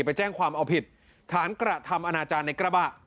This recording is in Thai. ไปแจ้งความเอาผิดฐานกระทำอนาจารย์ในกระบะ